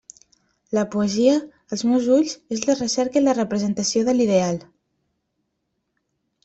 La poesia, als meus ulls, és la recerca i la representació de l'ideal.